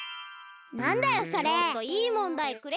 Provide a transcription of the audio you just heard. なんだよそれ！